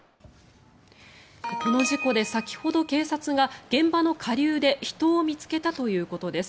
この事故で先ほど警察が現場の下流で人を見つけたということです。